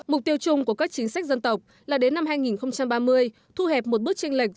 mục tiêu chung của các chính sách dân tộc là đến năm hai nghìn ba mươi thu hẹp một bước tranh lệch